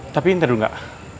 tapi ntar dulu kak